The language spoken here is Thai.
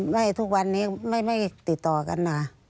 ทุกวันนี้ไม่ติดต่อกันนะ